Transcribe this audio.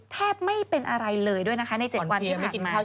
แทบไม่เป็นอะไรเลยด้วยนะคะใน๗วันที่ผ่านมา